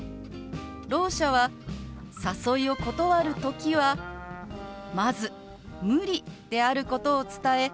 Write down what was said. ろう者は誘いを断る時はまず無理であることを伝え